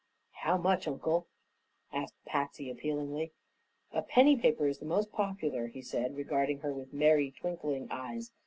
"How much, Uncle?" asked Patsy, appealingly. "A penny paper is the most popular," he said, regarding her with merry, twinkling eyes.